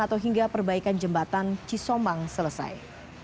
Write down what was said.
atau hingga perbaikan jembatan cisomang selesai